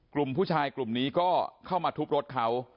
กลุ่มผู้ชายกลุ่มนี้ก็เข้ามาทุบรถเขา